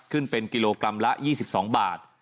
ขึ้นเป็นกิโลกรัมละ๒๒บาท